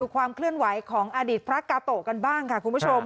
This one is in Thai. ความเคลื่อนไหวของอดีตพระกาโตะกันบ้างค่ะคุณผู้ชม